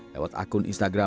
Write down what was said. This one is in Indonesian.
lewat akun instagram